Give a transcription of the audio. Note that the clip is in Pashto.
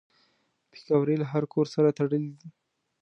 پکورې له هر کور سره تړلي دي